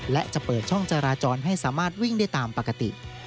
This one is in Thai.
และจะเปิดช่องจราจรให้สามารถวิ่งได้ตามปกติ